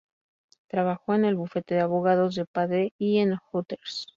Trabajó en el bufete de abogados de padre y en Hooters.